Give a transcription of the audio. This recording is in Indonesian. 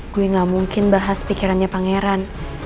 gue gak mungkin bahas pikirannya pangeran